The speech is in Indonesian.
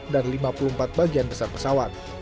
dan lima puluh empat bagian besar pesawat